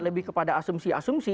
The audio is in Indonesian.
lebih kepada asumsi asumsi